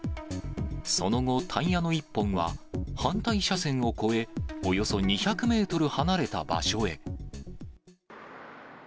その後、タイヤの１本は反対車線を越え、およそ２００メートル離れた場所へ。